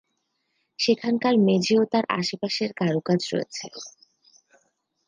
সেখানকার মেঝে ও তার আশপাশের কারুকাজ রয়েছে।